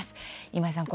今井さん